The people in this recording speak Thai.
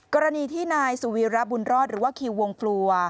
กรณีที่นายสุวีระบุญรอดหรือว่าคิววงปลัว